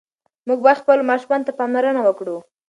موږ باید خپلو ماشومانو ته پاملرنه وکړو.